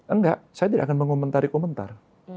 enggak saya tidak akan mengomentari komentar